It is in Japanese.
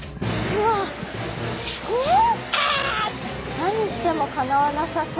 何してもかなわなさそう。